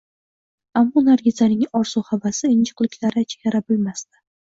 Ammo Nargizaning orzu-havasi, injiqliklari chegara bilmasdi